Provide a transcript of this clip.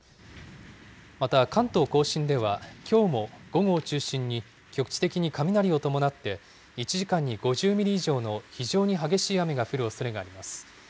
また、関東甲信ではきょうも午後を中心に局地的に雷を伴って１時間に５０ミリ以上の非常に激しい雨が降るおそれがあります。